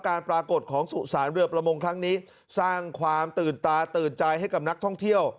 ปรากฏของสุสานเรือประมงครั้งนี้สร้างความตื่นตาตื่นใจให้กับนักท่องเที่ยว